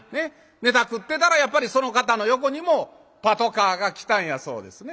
ネタ繰ってたらやっぱりその方の横にもパトカーが来たんやそうですね。